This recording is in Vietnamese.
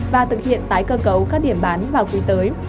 và thực hiện tái cơ cấu các điểm bán vào quý tới